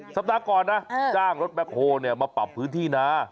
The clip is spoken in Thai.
สัปดาห์ก่อนนะจ้างรถแคลมาปรับพื้นที่นา